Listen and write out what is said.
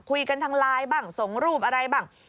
คุยกันทางไลน์บ้างส่งรูปอะไรบ้าง